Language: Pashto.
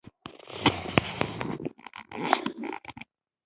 هغه څه دي چې د بېوزلۍ، هوساینې او ودې توپیرونه په ډاګه کوي.